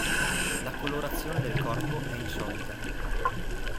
La colorazione del corpo è insolita.